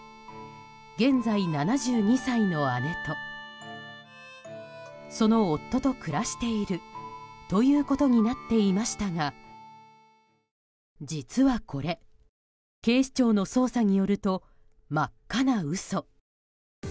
現在、７２歳の姉とその夫と暮らしているということになっていましたが実はこれ、警視庁の捜査によると真っ赤な嘘。